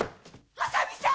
浅見さん！